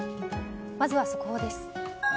まずは速報です。